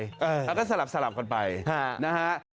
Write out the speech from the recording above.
แล้วก็สลับกันไปนะฮะ